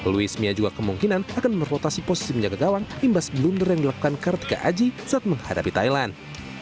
louis mia juga kemungkinan akan merevotasi posisi menjaga gawang imbas blunder yang dilakukan kartika aji saat menghadapi thailand